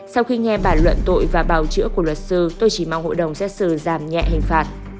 sau khi nghe bản luận tội và bào chữa của luật sư tôi chỉ mong hội đồng xét xử giảm nhẹ hình phạt